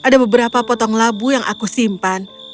ada beberapa potong labu yang aku simpan